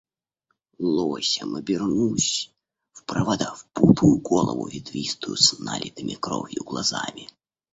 Лосем обернусь, в провода впутаю голову ветвистую с налитыми кровью глазами.